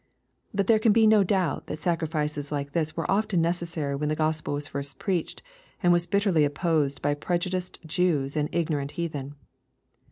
But there can be no doubt that sacrifices like this were often necessary when the Gk)spel was first preached, and was bitterly opposed by prejudiced Jews and ignorant heathen.